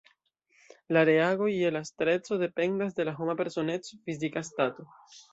La reagoj je la streso dependas de la homa personeco, fizika stato.